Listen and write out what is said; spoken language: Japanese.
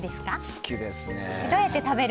好きですね。